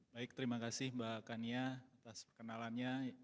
baik terima kasih mbak kania atas perkenalannya